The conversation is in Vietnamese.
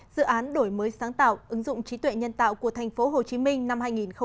dự án đổi mới sáng tạo ứng dụng trí tuệ nhân tạo của tp hcm năm hai nghìn hai mươi